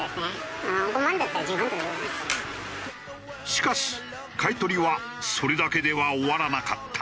しかし買い取りはそれだけでは終わらなかった。